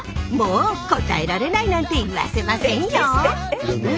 もう答えられないなんて言わせませんよ！？